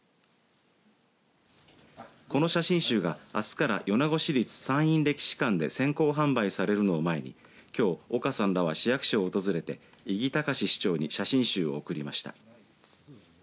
この写真集があすから米子市立山陰歴史館で先行販売されるのを前にきょう、岡さんらは市役所を訪れて伊木隆司市長に写真集を贈りました。